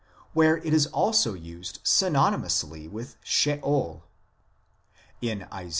where it is also used synonymously with Sheol. In Isa.